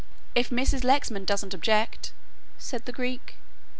"If Mrs. Lexman doesn't object," said the Greek.